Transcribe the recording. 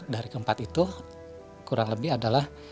dari keempat itu kurang lebih adalah